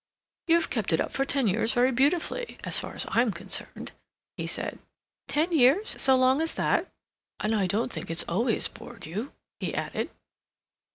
"You've kept it up for ten years very beautifully, as far as I'm concerned," he said. "Ten years? So long as that?" "And I don't think it's always bored you," he added.